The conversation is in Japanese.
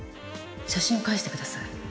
写真を返してください。